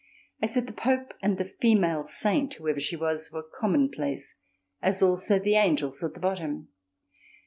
I said the Pope and female saint, whoever she was, were commonplace, as also the angels at the bottom.